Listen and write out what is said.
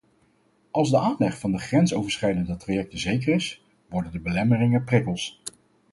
Als de aanleg van de grensoverschrijdende trajecten zeker is, worden de belemmeringen prikkels.